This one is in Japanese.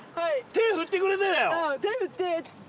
手振っててくれた。